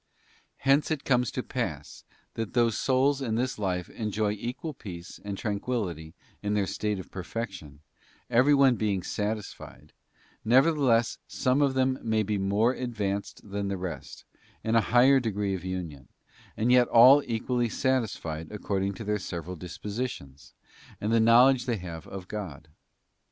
Hence it comes to pass, that though souls in this life enjoy equal peace and tranquillity in their state of perfection, everyone being satisfied, nevertheless some of them may be more advanced than the rest, in a higher degree of union, and yet all equally satisfied according to their several dispositions, and the knowledge they have of God.